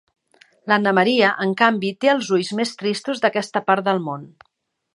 L'Anna Maria, en canvi, té els ulls més tristos d'aquesta part de món.